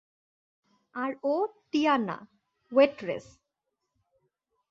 আর ও Tiana, waitress.